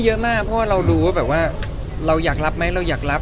เยอะมากเพราะว่าเรารู้ว่าแบบว่าเราอยากรับไหมเราอยากรับ